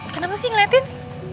kenapa sih ngeliatin